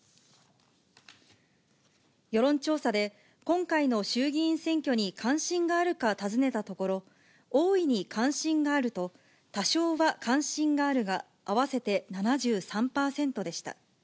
世論調査で、今回の衆議院選挙に関心があるか尋ねたところ、大いに関心があると、多少は関心があるが合わせて７３％でした。